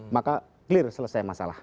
maka clear selesai masalah